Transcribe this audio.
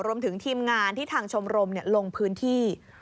รวมถึงทีมงานที่ทางชมรมลงพื้นที่